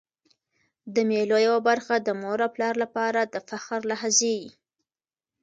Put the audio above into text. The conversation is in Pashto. د مېلو یوه برخه د مور او پلار له پاره د فخر لحظې يي.